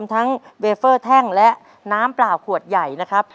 ทั้งเบเฟอร์แท่งและน้ำเปล่าขวดใหญ่นะครับ